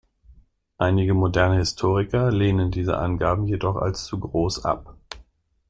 Einige moderne Historiker lehnen diese Angaben jedoch als zu groß ab.